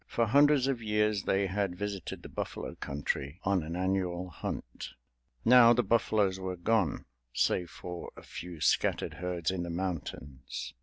For hundreds of years they had visited the buffalo country on an annual hunt. Now the buffaloes were gone, save for a few scattered herds in the mountains.